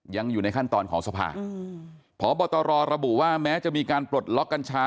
ยังอยู่ในขั้นตอนของสภาพบตรระบุว่าแม้จะมีการปลดล็อกกัญชา